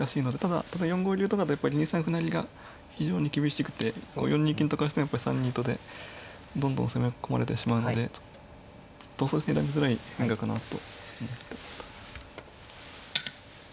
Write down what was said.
ただ４五竜とかだとやっぱり２三歩成が非常に厳しくて４二金とかにしてもやっぱり３二とでどんどん攻め込まれてしまうので選びづらい変化かなと思ってました。